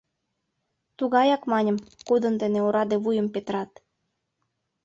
— Тугаяк, маньым, кудын дене ораде вуйым петырат...